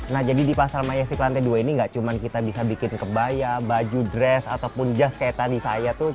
nah jadi di pasar majestic lantai dua ini gak cuma kita bisa bikin kebaya baju dress ataupun jas kayak tadi saya tuh